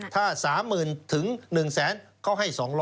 ถ้า๓๐๐๐ถึง๑แสนเขาให้๒๐๐